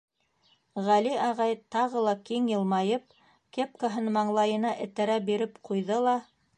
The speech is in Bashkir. Ғәли ағай, тағы ла киң йылмайып, кепкаһын маңлайына этәрә биреп ҡуйҙы ла: